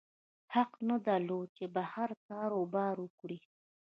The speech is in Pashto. حق نه درلود چې بهر کاروبار وکړي.